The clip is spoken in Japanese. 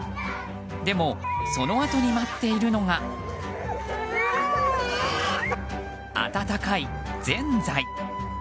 でも、そのあとに待っているのが温かい、ぜんざい。